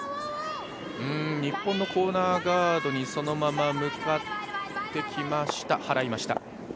日本のコーナーガードにそのまま向かってきました、払いました。